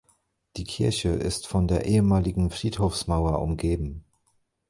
Die Kirche ist von der ehemaligen Friedhofsmauer umgeben.